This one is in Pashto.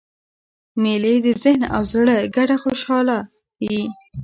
مېلې د ذهن او زړه ګډه خوشحاله يي.